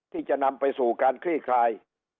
ที่จะนำไปสู่การคลี่คลาย